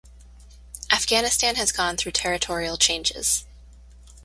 Afghanistan has gone through territorial changes.